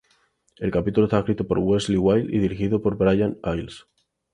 El capítulo está escrito por Wellesley Wild y dirigido por Brian Iles.